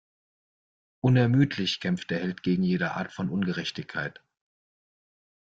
Unermüdlich kämpft der Held gegen jede Art von Ungerechtigkeit.